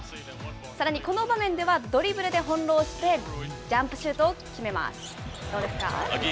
さらにこの場面ではドリブルで翻弄して、ジャンプシュートを決めます。